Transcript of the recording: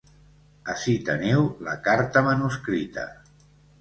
Ací teniu la carta manuscrita.